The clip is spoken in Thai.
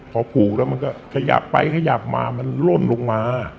พอผูกแล้วมันก็ขยับไปขยับมามันล่นลงมา